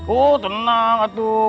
uh tenang atuh